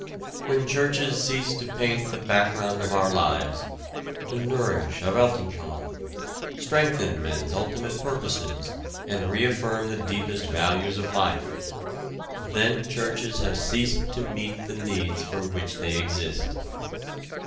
When churches cease to paint the background of our lives, to nourish a Weltanschaung, strengthen men's ultimate purposes and reaffirm the deepest values of life, then churches have ceased to meet the needs for which they exist.